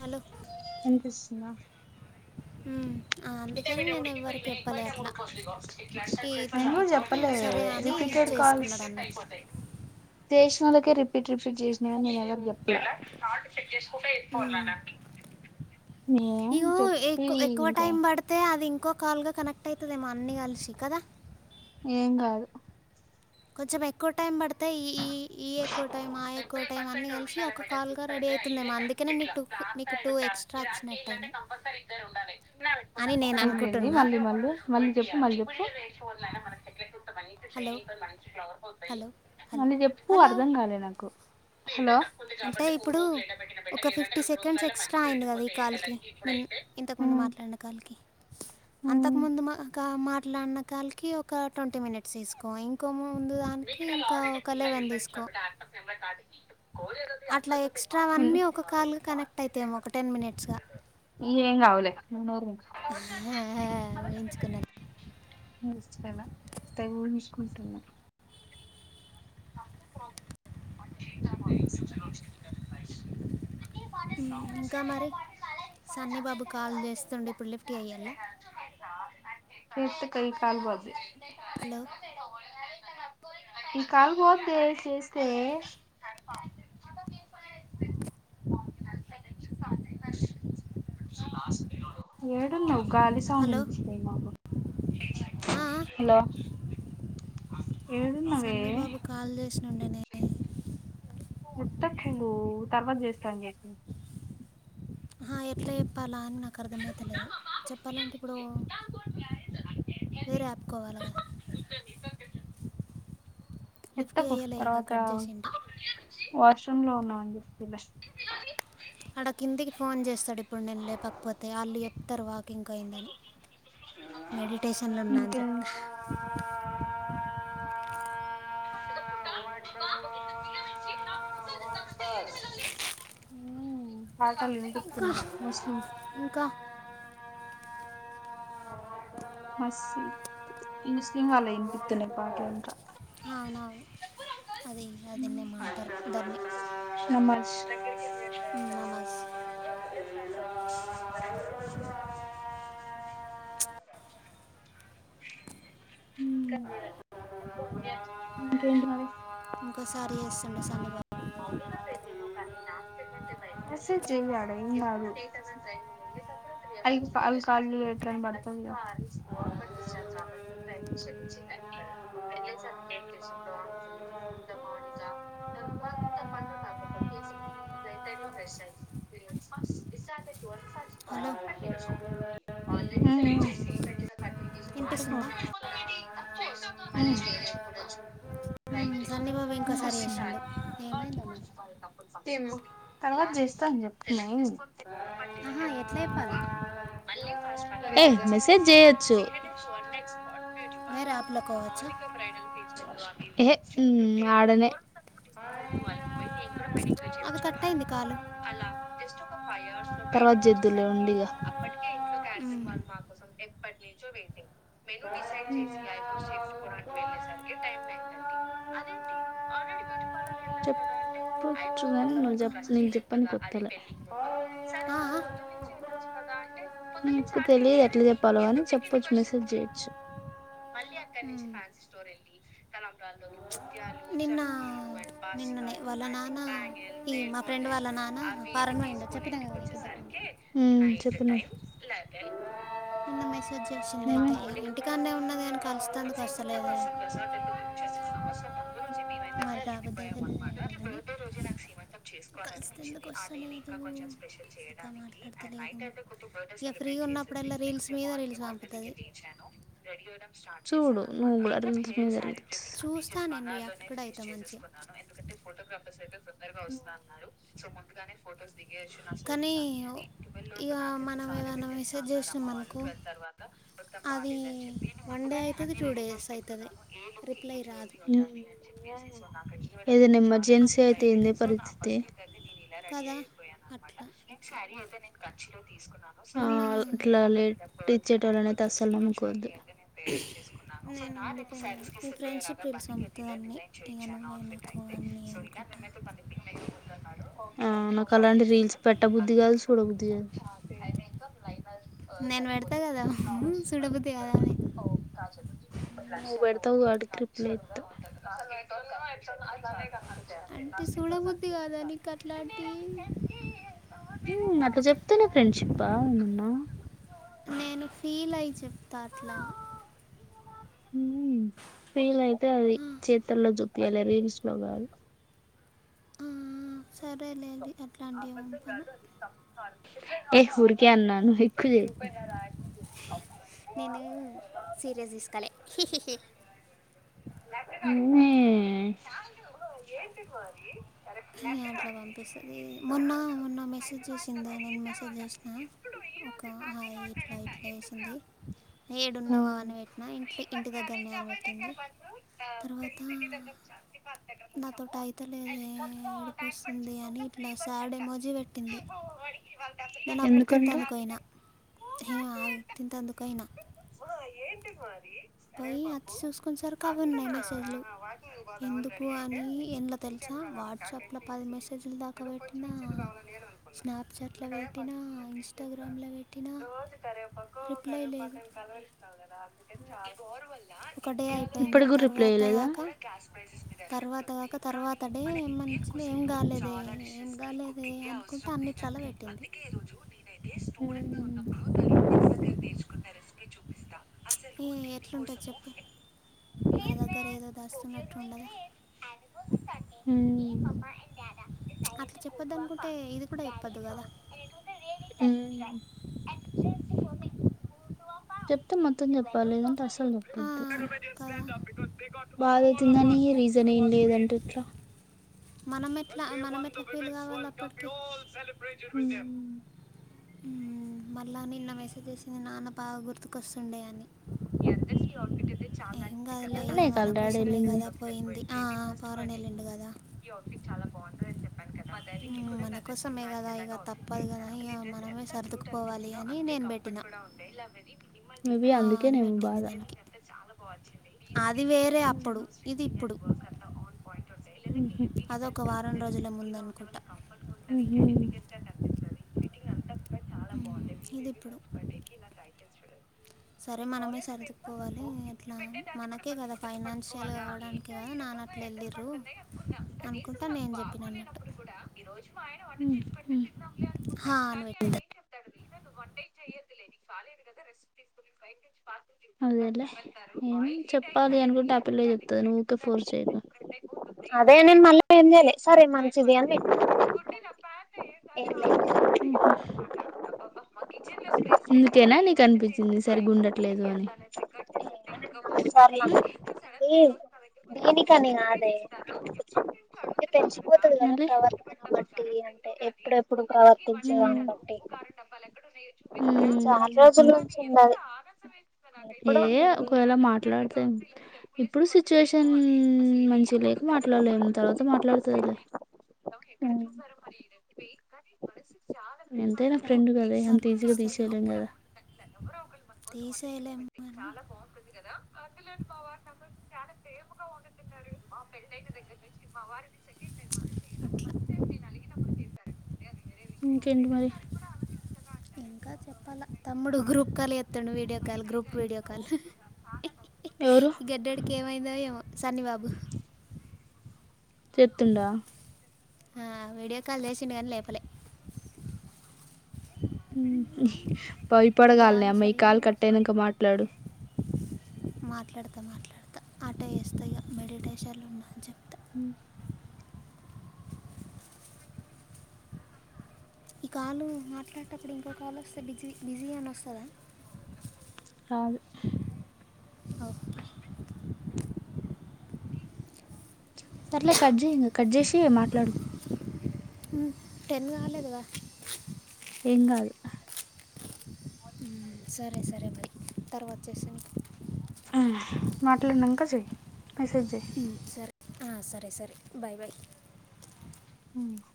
Hello అనిపిస్తుందా హ ఈ ఇతను చెప్తే చెప్పలేదు సరే అని చేసుకున్నాడు అన్నట్టు రిెల్ కే రిపీట్ రిపీట్ చేసినని నేను చెప్ప ఎపో ఉమ్. ఇగో ఎక్కు ఎక్కువ టైం పడితే అది ఇంకో కాల్గా కనెక్ట్ అవుతుందేమో అన్నీ కలిసి కదా ఏం కాదు కొంచెం ఎక్కువ టైం పడితే ఈ ఈ ఈ ఎక్కువ టైం ఆ ఎక్కువ టైం అన్నీ కలిసి పర్సెంట్ాల ఒక కాల్గా రెడీ బతే అవుతుందేమో అందుకనే నీ అదేట్లాానికింటే టూ నీకు టూ ఎక్స్ట్రా వచ్చినట్టు కంపల్సరీ ఇద్దరు ఉండాల అని నేను అనుకుంటున్నా పెట్కుాళ్ళ మళ్ చె మన చెట్లెంది హలో మంచి ైనింగ్ మంచి గ్వర్ పోతాయి హలో హలో చె వు హలో అర్ధం కాలే నాకు హలో అంటే ఇప్పుడు ఒక ఫిఫ్టీ సెకండ్స్ ఎక్స్ట్రా అయింది కదా ఈ కాల్కి నిన్న ఇంతకుముందు ఉమ్ మాట్లాడిన కాల్కి ఉమ్ అంతకుముందు మా మా ఇట్లా అన్నకాలకి ఒక ట్వంటీ మినిట్స్ తీసుకో ఇంకోము మీక కాడు త నింరి అ అర్ం నం కాార్డు అట్లా ఎక్స్ట్రావన్నీ ఒక కాల్గా కనెక్ట్ అవుతాము ఒక టెన్ మినిట్స్గా నూూరు ంచక చాలా తగుంచుకుంటున్నాం బ ఉమ్, ఇంకా మరి బ సన్నీ బాబు తెంద కాల్ చేస్తుండే ఇప్పుడు లిఫ్ట్ అయ్యాలా తలి కాల్ బజే హలో ఇ కాలు పోతే చేస్తస్త స ఏడున్నా గాలి సాౌన్ హలో అనిపిస్తాయి మాకు ఆ, హలో ఏడున్నావే సన్నీబాబు కాల్ చేసి నుండనే ముట్టకి నువ్వు తర్వాత చేస్తాం చెప్ప ఎట్లా చెప్పాలా అని నాకు అర్థమైతలేదు చెప్పాలంటే ఇప్పుడు వేరే యాప్కోవాలి కదా లిఫ్ట్ ఎత్తకు చేయలే ఇక కట్ చేసింు వాట్సంలో ఉన్నా అండి్ పలస్ ఆడ కిందికి ఫోన్ చేస్తాడు ఇప్పుడు నేను లేపకపోతే ఆళ్ళు చెప్తరు వాకింగ్ అయిందని మెడి స్టేషన్లో ఉన్నా అని ఇంకేం చెప్తా ఆట్ ఉమ్ అ కాలెం చెప్పుతున్నావ్ ముస్లిం ఇంకా మసీద్ ముస్లిం వాళ్ళ ఇంటికనే పాట్లు ఇంక ఆ, అవునవును అది అది దానేమో అంటారు దాన్ని నమాజ్ నమాజ్ మ ఉమ్ ఇంకేంటండి ఇంకోసారి చేస్తుండు సన్నీ గా అౌనిగా పెే నమో కానీ నాస్ పెే ఉంటే బయ మెసేజ్ చెయ్ ఆడ ఏం కాదు అవి క కాలి అయ్ ట్రైన్ పడ్తది గా ఉమ్ హలో ఉమ్ వినిపిస్తుందా చెప్పు ఉమ్ వి ఇంకోసారి చేసిండు ఏమైందో వ మరి కాల క తర్వాత చేస్తా అని చెప్తున్నా ఆహా ఎట్లా చెప్పాలి ఏ మెసేజ్ చేయొచ్చు వేరే యాప్లో కోవచ్చా మౌనిక బ్రైడల్ ఫీచ యెహే చలిసిపోయి నేను కూడా పెళ్ళకళ్ చెచ్చు కట్టయింది కాలు తర్వాత చేద్దువులే ఉండిగా మ్మ్. ఉమ్ చెప్ అచ్చు గాని మల్ ఇంకా చెప్ నువ్ నీక్ మరి జెప్పనికి వత్తలే ఆ, నీకు తెలీదు ఎట్ల చెప్పాలో అని చెప్పచు మెసేజ్ చేయచ్చు మ్మ్. నిన్న నిన్ననే వాళ్ళ ఉమ్ నాన్న ఈ మా ఫ్రెండ్ వాళ్ళ నాన్న ఫారెన్ పోయిండు చెప్పినా కదా నీకు ఇంతకు ముందు. చెప్పున్నా మెసేజ్ చేసింది అయితే ఇంటికాన్నే ఉన్నది అని కలుస్తాందుకు వస్తలేదే తందంచి పి మరి రా బుద్ధి అయ్ బర్డే రోజే నా సీమంత చేసుకోవాల కలిస్తే ఎందుకు పనిపించింది ఆ డే ని వస్తలేదు ఇంకా కొంచెం స్పెషల్ చక్కగా చేయడానికి అండ్ మాట్లాడతలేదు నైట్ అయితే కొత్తగా బర్త్ డే ఇక ఫ్రీ సెలబ్రేట్ చేసేసి ఉన్నప్పుడల్లా రీల్స్ నెక్స్ట్ డే మీద మార్నింగ్ రీల్స్ ప పంపుతుంది తీర్చాను చూడు నువు కూడా రీల్స్ మీద రీ చూస్తా నేను రియాక్ట్ కూడా అయిత మంచిగ ము కానీ ఇక మనం ఏదైనా మెసేజ్ చేసినాం అనుకో అది వన్ డే అవుతుంది టూ డేస్ అవుతుంది రిప్లై రాదు ఉమ్ చి ఇది నిమ్ న్ అయి అట్లా పి ఉంటుంది నను కదా అట్లా కంచి ఆ మొన్న అట్లా లేదు చ్చేటళ్ళ అనేతే అస్సలు నమ్నుకోందిను నేను అందుకే నేను సారీస్కి ఈ సెేయ రాగా ఫ్రెండ్షిప్ పన్న రీల్స్ పంపుతుంది కద అన్నీ డిజైన్ ఇక చేయ నువ్వే అఔట్ఫిట్ నాకు అయితే అన్నీ సో ఇలా అనుకుంటా మేమైతే కొ మేకప్ కొతున్నా ఆ నాకు అలాంటి రీల్స్ పెట్టబుద్ది కాదు చూడబుద్ది కాదు నేను పెడతా కదా సారిపోటిషి చూడబుద్ధి కాదా స అని ఓ రాజగట్ బడతా అడు క ర్రిప్లే ఇతు అ బుద్ది కాదా నీక అట్లాంటి అట్లా చెప్తనే ఫ్రెండ్షిప్పా ఉన్నా నేను ఫీల్ అయి చెప్తా అట్లా ఫీల్ అయితే అది "ఆ, చేతుల్లో చుక్కయాలి రీల్స్ లో కాదు సరేలేండి అబస కాదు అది తక్కాల ఏ హరు క అన్నా ను ఎజ హహ ఏంటి మా అట్లా పంపిస్తుంది మొన్న మొన్న మెసేజ్ చేసింది నేను మెసేజ్ చేసినా ఒక హాయ్ ఇట్లా ఇట్లా వేసింది ఏడున్నావా అని పెట్టినా ఇట్ ఇంటి దగ్గరనే అనిపట్టింది తర్వాత నా తోట అయితలేద ఏడిపోస్తుంది అని ఇట్లా శడే మోజి పెెట్టింది నేను అప్పుడు తింతందుకుయినా హ ఆ తింతందుకుయినా ఎంటి సరి పోయి అతి చూసుకుొని సార్ అంతనా వాకింగ్ పోదామని ఎందుకు రెడీ అయితే అని ఎండ్లో తెలుసా ఇంకెకాల వాట్సాప్లో కాకసి పది ఇచ్చింది మెసేజ్లు దాకా ఏదో కొంచెం పెట్టినా ఇచ్చేది కావాల నేను అనుకున్నా ఇంత స్నాప్చాట్లో కరివేపాకు పెట్టినా ఇచ్చింది అ ఏం చేస్తారు ఇన్స్టాగ్రామ్లో పెట్టినా రోజు కరివేపాకు రిప్లై లేదు కరివేపాక ఇస్తావు కదా చా ఒకటే అయి ఇప్పుటి కూడా రిప్లైలేదా ప్రైెస్ మీ ఎఫెక్ట్ తర్వాత ఉంది కాక కానీ తర్వాత డే మన ఇండిన్ కు ఏమనిచ్చింది ఏం లో కాలేదే చాలా ఏం డిషెస్ కి కాలేదే కుకింగ్ అనుకుంటే అవసరం అన్నిట్లలో లేదండి పెట్టింది అందుకే ఈ రోజు నేనైతే స్టూడెంట్ ఉప్పుడు రూమ్ దగ్గరేర్చుకున్నెసిపీ చూపిస్తాం అసలు ఏ దేని ఎట్లుంటుంది కోోర్సము చెప్పు మన దగ్గర ఏదో దస్తున్నట్టుండదా మ్బా ద గో చెప్పొద్దు పా అనుకుంటే ఇది కూడా త ర చెప్పొద్దు కదా చెప్తే మొత్తం చెప్పాలి లేదంటే అసలు ఆ, చెప్పద్దు కదా బాధ వవుతుిందానికి రీజన్ ఏం లేదంటే ఇత్ర మనం ఎట్లా మనం ఎట్లా ఫీల్ కావాలి అప్పటికి సెబ్రేషన్ అ మళ్ళా నిన్న మెసేజ్ చేసింది నాన్న బాగా గుర్తుక వస్తుండే అని మీ అందరికిట్ఫిట్ అయి ఏం చాలాంది క కాదులే ఇక మన కోసమే వెళ్ి కదా పోయింది ఆ, ఫ పవన్ వెళ్ళిండు కదా బేట్ఫిట్ చాలా బాగుని చెప్ప మా ద మ్మ్, కూడా మన డ్రెస్ కి కోసమే మ్యాచ్ కదా ఇక తప్పదు కదా ఇక అయలాగాయి డ్రస్ మనమే ఎంత టూట్ సర్దుకుపోవాలి అనిపించినో అని అంతే నేను పెట్టిన కంఫర్ట్ ఉండ ఇ వెరీ "హా" మ చ అని బా పెట్టింది దానికి అది వేరే అప్పుడు ఇది ఇప్పుడు ంట ఇడి హెవీ అదొక డిజైన్స్ వారం కాకుండా ఇలా రోజుల సింపుల్ ముందు గా ఉంటే వా అనుకుంటా కంఫర్ట్పి ఫిటింగ్ అంతా కూడా చాలా బ మ్మ్. ఇది బేబ ఇప్పుడు ఫస్ట్ బర్డే సరే మనమే ాల్ఫ సర్దుకుపోవాలి అట్లా పెట్టే దాన్ని కూడా మనకే కదా మంచిగుట్టతో ఫైనాన్షియల్ పట్టుకోవాలా కావడానికి ఏంట కదా ఈ నాన్న రకంగా అట్లా ఎండలు వెళ్ళిర్రు పడుతున్నాయి అనుకున్నా కనీసం అనుకుంటా నాకు నేను చెప్పిన అన్నట్టు బాగోలేనప్పుడు కూడా ఈ రోజు మా ఆయనాంలే అనుకుంటా హా అని కానీ ఆయన పెట్టింది ఏం చెప్తాడు వన్ డే చేయదుదా రెస్ట్ తీసు అదేలే చెప్పాలి అనుకుంట టపిల చెప్తా నువుకే ఫోర్స్య అదే నేను మళ్ళీ ఏం చేయలే సరే పోతుందిచుకుంటు ఆయన మంచిది అని పెట్టిన. వంటస్తున్నాడు అ ఏం ఆడిచెన్ లోేందుకనా అనిపి చి సరిగి ఉండట్లేదు అని సర్ల అది దీనికని కాదే పెంచిపోతుది నాన్న, కదా మళ్ళీ ప్రవర్తన బట్టి అంటే ఎప్పుడెప్పుడు ప్రవర్తించేదాన్ని బట్టి చాలా రోజుల నుంచి ఉన్నారు మ ఏలా మాట మాట్లాడత ఇప్పుడు సిచ్యుయేషన్ మంచి లేక మాట్లాడలేని తర్వాత మాట్లాడుతుదిలే ఉమ్, చూ చాగని అ ఫ్రెండ్ కదే అంత ఈజీగా అనిపిస్తుంది ఇక తీసెళ్ళం కదా కోసం వంట చసి తీసేయలేము పెట్ంది కానీ చాలా బాగుంటుంది కదా ఆ పిల్లలు మా వార్ చాలా ప్రేమగా వండుతున్నారు మా పెళ్యిన దగ్గర నుంచి మా వారి దశంగ వ చేయడంస్కి కెడి మరి ఇంకా చెప్పాలా తమ్ముడు గ్రూప్ క లేదు పత్తను video call group video call ఎవరు ఈ గడ్డడికి ఏమైందో ఏమో సన్ని బాబు చెప్తుండా? ఆ వీడియో కాల్ చేసిండ కాని లేపలే. మ్మ్ భయపడగాలనె గాలి అమే ఈ కాల్ చల్లగా వస్తుంది. కట్టైనంక మాట్లాడు. మాట్లాడతా! మాట్లాడతా! ఆటె చేస్తా ఇగ. మెడిటేషన్లు ఉన్నా అని చెప్. మ్ ఈ కాలు మాట్లాడటప్పుడు, ఇంకో కాల్ వస్తే, బిజీ, బిజీ అని వస్తదా? రాదు ఓకె సర్లే కట్ చెయ్ ఇంగ. కట్ చేసి మాట్లాడు. టెన్ గాలేదు గా! ఏం గాదు. మ్ సరె సరె బాయ్. తర్వాత చేస్తా నీకు. మ్ మాట్లాడినంక చెయ్. మెసేజ్ చెయ్. సరే ఆ సరె సరె. Bye bye. మ్